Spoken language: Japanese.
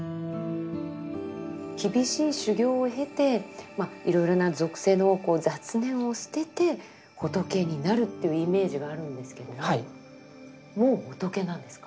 厳しい修行を経ていろいろな俗世のこう雑念を捨てて仏になるというイメージがあるんですけれどももう仏なんですか？